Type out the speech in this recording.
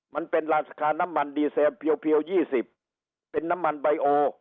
มันเป็นราคาน้ำมันดีเซลเพียว๒๐เป็นน้ำมันใบโอ